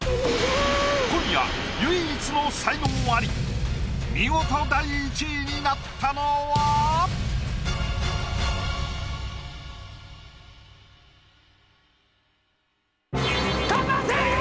今夜唯一の才能アリ見事第１位になったのは⁉かたせ梨乃！